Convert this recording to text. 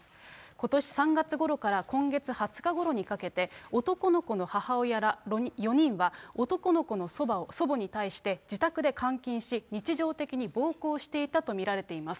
ことし３月ごろから今月２０日ごろにかけて、男の子の母親ら４人は、男の子の祖母に対して自宅で監禁し、日常的に暴行していたと見られています。